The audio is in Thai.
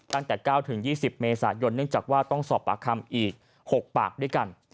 ตั้งแต่๙๒๐เมษายนเนื่องจากว่าต้องสอบปากคำอีก๖ปากด้วยกัน